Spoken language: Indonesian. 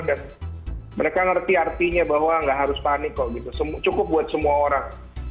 dan mereka ngerti artinya bahwa nggak harus panik kok gitu cukup buat semua orang